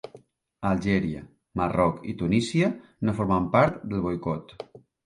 Algèria, Marroc i Tunísia no formen part del boicot.